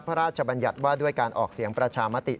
พระราชบัญญัติว่าด้วยการออกเสียงประชามติ